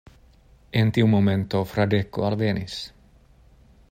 En tiu momento Fradeko alvenis.